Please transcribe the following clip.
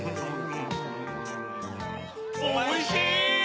おいしい！